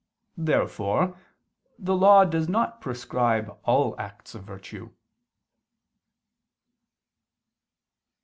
Therefore the law does not prescribe all acts of virtue.